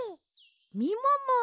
みもも。